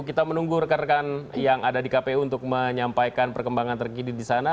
kita menunggu rekan rekan yang ada di kpu untuk menyampaikan perkembangan terkini di sana